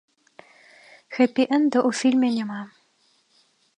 Хэпі-энда ў фільме няма.